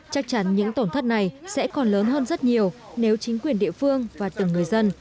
chắc chắn những tổn thất này sẽ còn lớn hơn rất nhiều nếu chính quyền địa phương và từng người dân